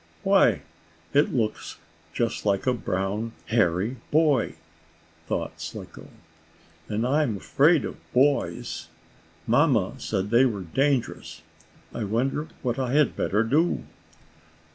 "Why, it looks just like a brown, hairy boy!" thought Slicko. "And I'm afraid of boys. Mamma said they were dangerous. I wonder what I had better do?"